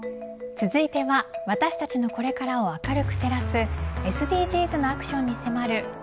続いては、私たちのこれからを明るく照らすＳＤＧｓなアクションに迫る＃